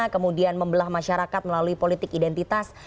kemudian membelah masyarakat melalui politik identitas